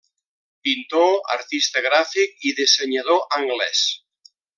Pintor, artista gràfic i dissenyador anglès.